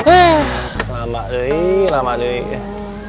eh lama deh lama deh